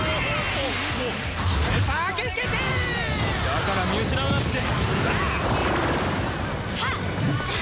だから見失うなって！